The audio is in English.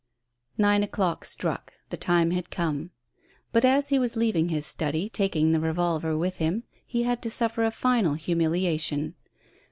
Nine o'clock struck. The time had come. But, as he was leaving his study, taking the revolver with him, he had to suffer a final humiliation.